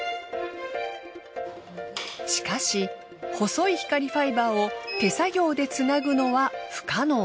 しかし細い光ファイバーを手作業でつなぐのは不可能。